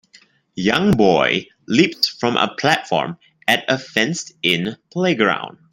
young boy leaps from a platform at a fenced in playgroud